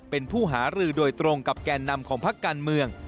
เป็นผู้หารือโดยตรงกับแก่นำของพักการเมือง